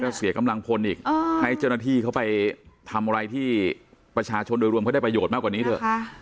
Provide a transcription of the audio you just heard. เสียกำลังพลอีกให้เจ้าหน้าที่เขาไปทำอะไรที่ประชาชนโดยรวมเขาได้ประโยชน์มากกว่านี้เถอะ